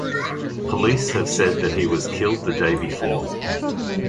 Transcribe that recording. Police have said that he was killed the day before.